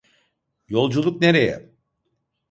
Yolculuk nereye?